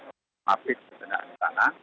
hafidh di jenak tanah